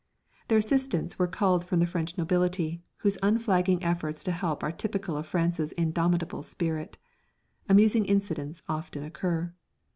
Their assistants were culled from the French nobility, whose unflagging efforts to help are typical of France's indomitable spirit. Amusing incidents often occur.